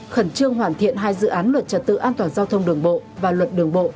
khẩn trương hoàn thiện hai dự án luật trật tự an toàn giao thông đường bộ và luật đường bộ